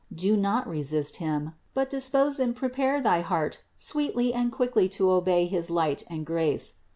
Do not resist Him, but dispose and prepare thy heart sweetly and quickly to obey his light and grace.